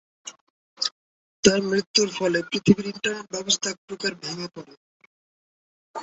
তার মৃত্যুর ফলে পৃথিবীর ইন্টারনেট ব্যবস্থা এক প্রকার ভেঙে পড়ে।